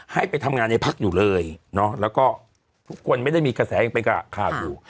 ให้ไปทำงานในพักอยู่เลยเนาะแล้วก็ทุกคนไม่ได้มีกระแสยังเป็นกะขาดอยู่